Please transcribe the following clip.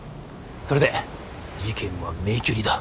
それで事件は迷宮入りだ。